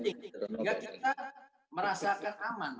sehingga kita merasakan aman